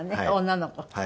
女の子。